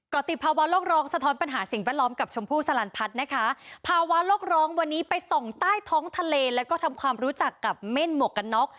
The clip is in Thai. ก็ติดภาวะโลกร้องสะท้อนปัญหาสิ่งแวดล้อมกับชมพู่สลันพัฒน์นะคะภาวะโลกร้องวันนี้ไปส่องใต้ท้องทะเลแล้วก็ทำความรู้จักกับเม่นหมวกกันน็อก